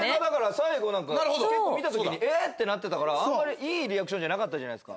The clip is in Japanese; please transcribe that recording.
最後結構見た時に「え！？」ってなってたからあんまりいいリアクションじゃなかったじゃないですか。